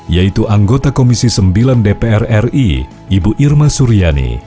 yaitu anggota komisi sembilan dpr ri ibu irma suryani